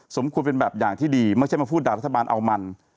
สมควรเป็นแบบอย่างที่ดีไม่ใช่มาพูดด่ารัฐบาลเอามัน